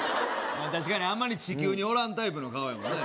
まあ確かにあんまり地球におらんタイプの顔やもんね